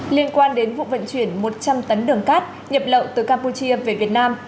liên quan đến vụ vận chuyển một trăm linh tấn đường cát nhập lậu từ campuchia về việt nam